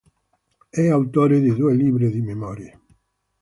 È autore di due libri di memorie.